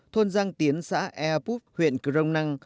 thôn giang tiến xã ea púc huyện crong năng